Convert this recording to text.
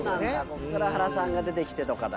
ここから原さんが出てきてとかだ。